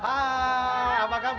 tuhan nyata sempurna dalam